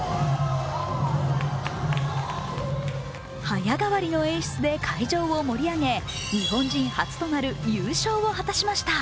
早変わりの演出で会場を盛り上げ、日本人初となる優勝を果たしました。